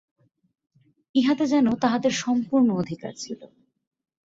ইহাতে যেন তাঁহাদের সম্পূর্ণ অধিকার ছিল।